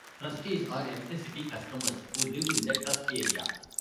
Trustees are electricity customers who live in the Trust area.